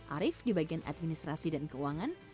arief di bagian administrasi dan keuangan